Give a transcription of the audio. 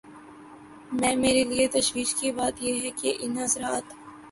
میں میرے لیے تشویش کی بات یہ ہے کہ ان حضرات